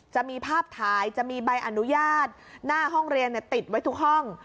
จะมีภาพถ่ายจะมีใบอนุญาตหน้าห้องเรียนติดไว้ทุกห้อง